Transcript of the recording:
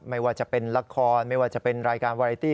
ไม่ว่าจะเป็นละครไม่ว่าจะเป็นรายการวาไรตี้